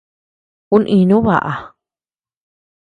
Uu íinu baʼa.